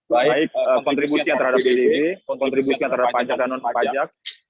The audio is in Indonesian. baik kontribusinya terhadap pdb kontribusinya terhadap pajak dan non pajak